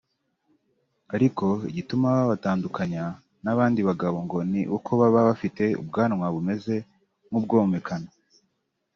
Ariko igituma babatandukanya n’abandi bagabo ngo ni uko baba bafite ubwanwa bumeze nk’ubwomekano